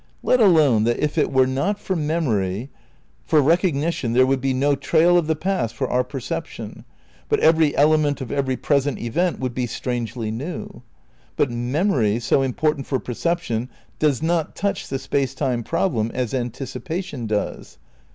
Let alone that if it were not for memory, for recognition, there would be no trail of the past for our perception, but every ele ment of every present event would be strangely new. But memory, so important for perception, does not touch the Space Time problem as anticipation does.